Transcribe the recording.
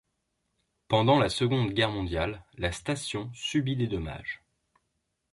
Pendant la Seconde Guerre mondiale, la station subit des dommages.